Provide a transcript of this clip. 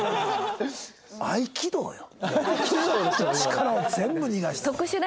力を全部逃がして。